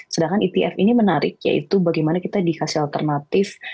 sedangkan etf ini menarik yaitu bagaimana kita dikasih alternatif